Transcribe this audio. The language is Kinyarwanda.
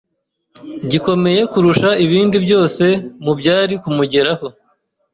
gikomeye kurusha ibindi byose mu byari kumugeraho.